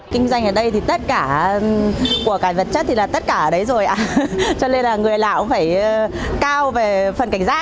kinh doanh ở đây thì tất cả của cả vật chất thì là tất cả ở đấy rồi ạ cho nên là người lạ cũng phải cao về phần cảnh giác ạ